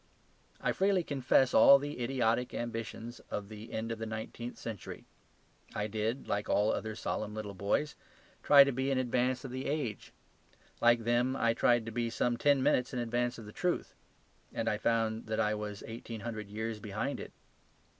I freely confess all the idiotic ambitions of the end of the nineteenth century. I did, like all other solemn little boys, try to be in advance of the age. Like them I tried to be some ten minutes in advance of the truth. And I found that I was eighteen hundred years behind it.